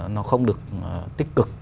nó không được tích cực